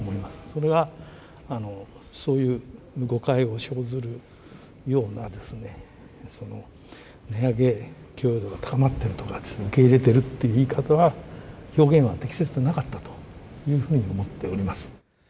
それは、そういう誤解を生ずるような、値上げ許容度が高まっているとか、受け入れてるって言い方は、表現は適切でなかったというふうに思っております。